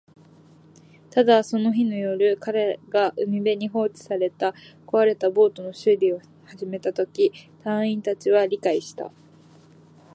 ただ、その日の夜、彼が海辺に放置された壊れたボートの修理を始めたとき、隊員達は理解した